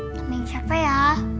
namain siapa ya